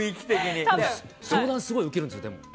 相談、すごい受けるんですよ。